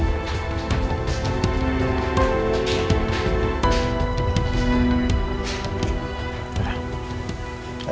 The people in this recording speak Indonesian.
nangga udah aku mau pulang